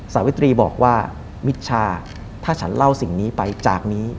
สาวิตรีบอกว่ามิชชาถ้าฉันเล่าสิ่งนี้ไปจากนี้